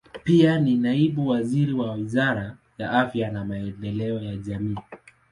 Pia ni naibu waziri wa Wizara ya Afya na Maendeleo ya Jamii.